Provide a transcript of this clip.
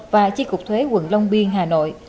và chi cục thuế quận long biên hà nội